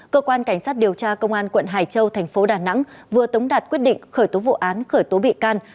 cơ quan cảnh sát điều tra công an quận hải châu thành phố đà nẵng vừa tống đạt quyết định khởi tố vụ án khởi tố bị can